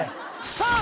さあ